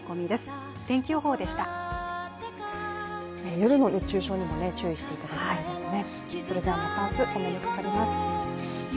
夜の熱中症にも注意していただきたいですね。